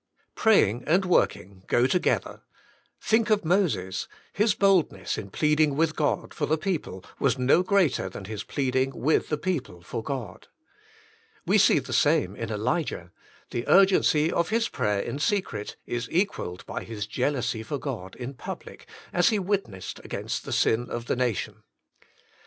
Praying and working go together. Think of Moses — his boldness in pleading with God for the people was no greater than his plead ing with the people for God. We see the same in Elijah — ^the urgency of his prayer in secret is equalled by his jealousy for God in public, as he witnessed against the sin of the nation.